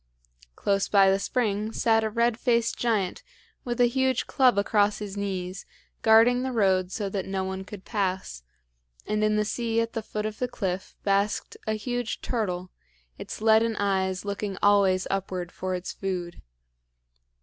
Close by the spring sat a red faced giant, with a huge club across his knees, guarding the road so that no one could pass; and in the sea at the foot of the cliff basked a huge turtle, its leaden eyes looking always upward for its food.